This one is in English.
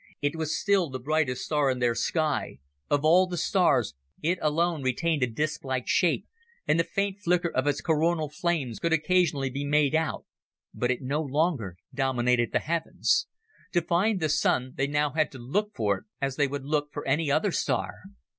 It was still the brightest star in their sky of all the stars, it alone retained a disclike shape, and the faint flicker of its coronal flames could occasionally be made out but it no longer dominated the heavens. To find the Sun, they now had to look for it as they would for any other star.